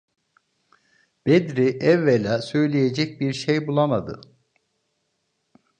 Bedri evvela söyleyecek bir şey bulamadı.